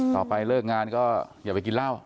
ต่อไปเลิกงานก็อย่าไปกินเหล้า